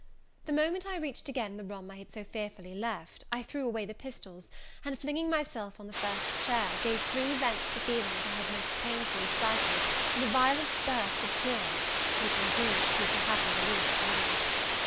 The moment I reached again the room I had so fearfully left, I threw away the pistols, and flinging myself on the first chair, gave free vent to the feelings I had most painfully stifled, in a violent burst of tears, which, indeed, proved a happy relief to me.